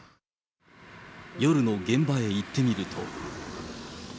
夜の現場へ行ってみると。